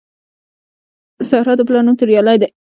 د زهرا د پلار نوم توریالی دی